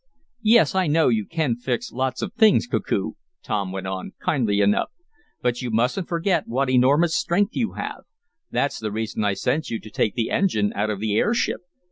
"Yes, I know you can fix lots of things, Koku," Tom went on, kindly enough. "But you musn't forget what enormous strength you have. That's the reason I sent you to take the engine out of the airship.